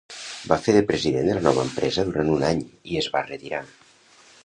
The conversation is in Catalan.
Va fer de president de la nova empresa durant un any, i es va retirar.